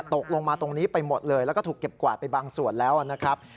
ตกลงมาตรงนี้ไปหมดเลยแล้วก็ถูกเก็บกวาดไปบางส่วนแล้วนะครับ